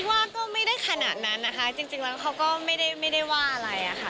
ว่าก็ไม่ได้ขนาดนั้นนะคะจริงแล้วเขาก็ไม่ได้ว่าอะไรอะค่ะ